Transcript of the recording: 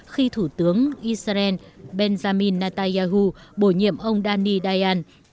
khi thủ tướng israel benjamin netanyahu bổ nhiệm ông dani dayan